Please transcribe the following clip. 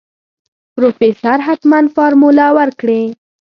پروفيسر حتمن فارموله ورکړې.